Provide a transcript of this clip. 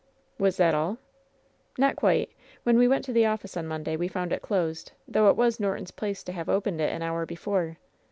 "Was that all?" "Not quite. When we went to the office on Monday we found it closed, though it was Norton's place to have opened it an hour before.